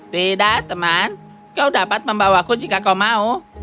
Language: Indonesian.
tidak teman kau dapat membawaku jika kau mau